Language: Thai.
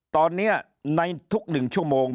ตอนนี้ในทุกหนึ่งชั่วโมง